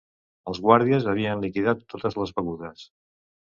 Els guàrdies havien liquidat totes les begudes